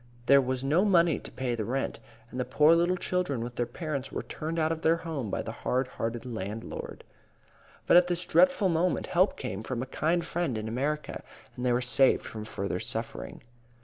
There was no money to pay the rent, and the poor little children with their parents were turned out of their home by the hard hearted landlord. "But at this dreadful moment, help came from a kind friend in America, and they were saved from further suffering."